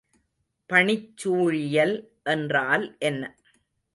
பணிச்சூழியல் என்றால் என்ன?